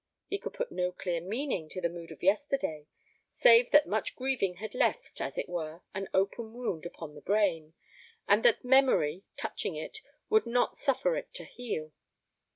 He could put no clear meaning to the mood of yesterday, save that much grieving had left, as it were, an open wound upon the brain, and that memory, touching it, would not suffer it to heal.